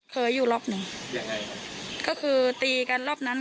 เคยอยู่รอบหนึ่งยังไงครับก็คือตีกันรอบนั้น